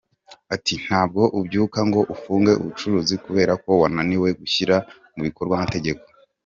Ati “Ntabwo ubyuka ngo ufunge ubucuruzi kubera ko wananiwe gushyira mu bikorwa amategeko.